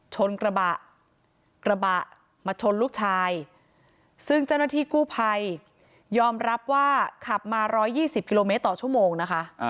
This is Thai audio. กระบะกระบะมาชนลูกชายซึ่งเจ้าหน้าที่กู้ภัยยอมรับว่าขับมา๑๒๐กิโลเมตรต่อชั่วโมงนะคะ